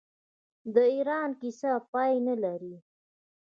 د ایران کیسه پای نلري.